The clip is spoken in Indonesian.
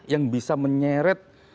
yang bisa menyeret